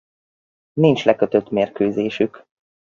Nincs lekötött mérkőzésük.